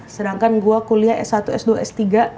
sedangkan gue kuliah s satu s dua s tiga